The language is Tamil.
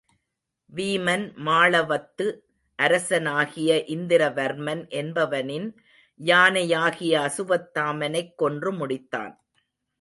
வீமன் மாளவத்து அரசனாகிய இந்திர வர்மன் என்பவனின் யானையாகிய அசுவத்தாமனைக் கொன்று முடித்தான்.